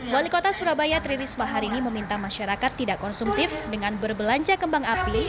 wali kota surabaya tri risma hari ini meminta masyarakat tidak konsumtif dengan berbelanja kembang api